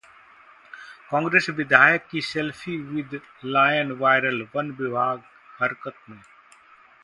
कांग्रेस विधायक की 'selfie with lion' viral, वन विभाग हरकत में